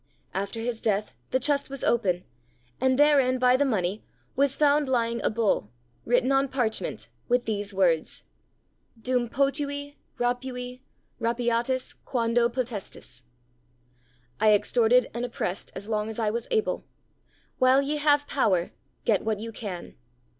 After his death the chest was opened, and therein, by the money, was found lying a bull, written on parchment, with these words: Dum potui, rapui; rapiatis, quando potestis. (I extorted and oppressed as long as I was able; while ye have power, get what you can.)